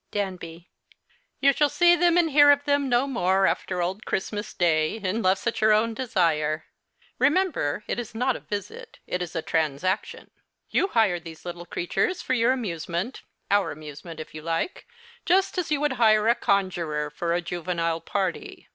Danby. You shall see them and hear of them no more after old Christmas Day, unless at your own desire. Remember it is not a visit. It is a transaction. You The Christmas Hirelings. 33 hire these little creatures for your amusement— our amusement if you like —just as you would hire a conjuror for a juTenile party.